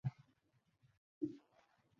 তাহলে এবার প্ল্যানটা কী?